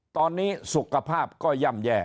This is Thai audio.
ตอนนี้สุขภาพก็ย่ำแย่